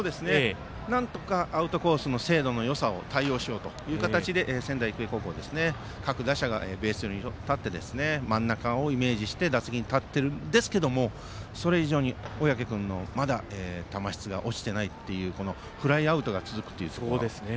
なんとかアウトコースの精度のよさに対応しようという形で仙台育英高校は各打者がベース寄りに立って真ん中をイメージして打席に立っているんですがそれ以上に小宅君の球質が落ちていないのでフライアウトが続くという。